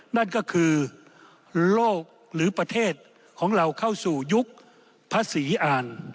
นั่นก็คือโลกหรือประเทศของเราเข้าสู่ยุคพระศรีอ่าน